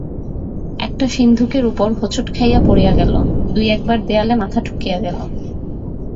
একটা সিন্ধুকের উপর হুঁচট খাইয়া পড়িয়া গেল, দুই একবার দেয়ালে মাথা ঠুকিয়া গেল।